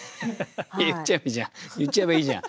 言っちゃえばいいじゃん言っちゃえばいいじゃん。